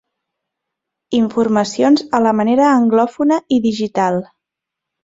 Informacions a la manera anglòfona i digital.